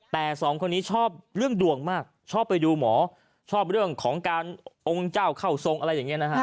แต่สองคนนี้ชอบเรื่องดวงมากชอบไปดูหมอชอบเรื่องของการองค์เจ้าเข้าทรงอะไรอย่างนี้นะฮะ